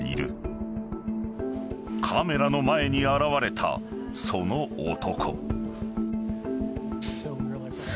［カメラの前に現れたその男］